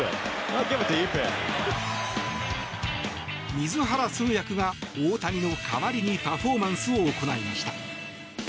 水原通訳が、大谷の代わりにパフォーマンスを行いました。